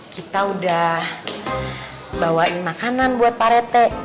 kita udah bawain makanan buat pak rt